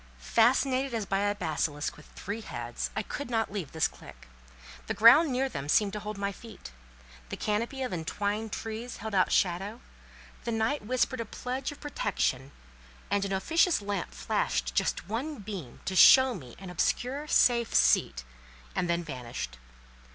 Fascinated as by a basilisk with three heads, I could not leave this clique; the ground near them seemed to hold my feet. The canopy of entwined trees held out shadow, the night whispered a pledge of protection, and an officious lamp flashed just one beam to show me an obscure, safe seat, and then vanished.